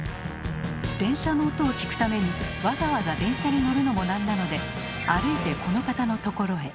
電車の音を聞くためにわざわざ電車に乗るのもなんなので歩いてこの方のところへ。